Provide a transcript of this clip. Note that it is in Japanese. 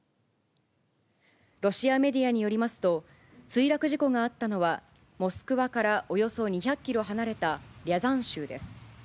ロシアメディアによりますと、墜落事故があったのは、モスクワからおよそ２００キロ離れたリャザン州です。